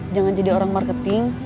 jangan jadi orang marketing